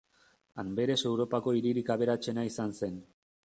Anberes Europako hiririk aberatsena izan zen.